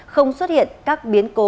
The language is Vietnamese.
không xuất hiện các biến cố